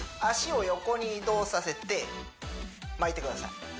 脚を横に移動させて巻いてください